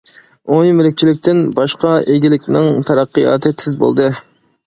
ئومۇمىي مۈلۈكچىلىكتىن باشقا ئىگىلىكنىڭ تەرەققىياتى تېز بولدى.